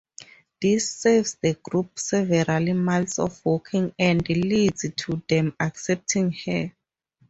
This saves the group several miles of walking and leads to them accepting her.